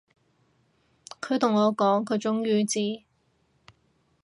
佢同我講，佢終於知